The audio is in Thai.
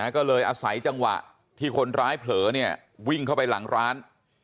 ก็เลยอาศัยจังหวะที่คนร้ายเผลอวิ่งเข้าไปหลังร้าน